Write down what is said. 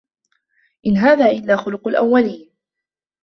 إِن هذا إِلّا خُلُقُ الأَوَّلينَ